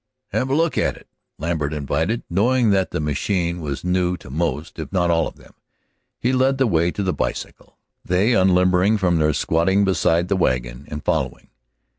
"Have a look at it," Lambert invited, knowing that the machine was new to most, if not all, of them. He led the way to the bicycle, they unlimbering from their squatting beside the wagon and following.